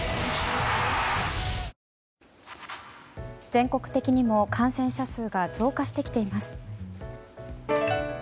全国的にも感染者数が増加してきています。